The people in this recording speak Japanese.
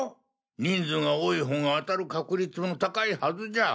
人数が多い方が当たる確率も高いはずじゃ。